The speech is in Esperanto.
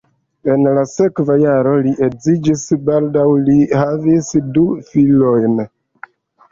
En la sekva jaro li edziĝis, baldaŭ li havis du filojn.